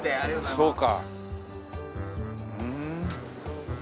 そうか。